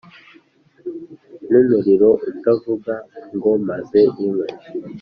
n’umuriro utavuga ngo ‘mpaze inkwi’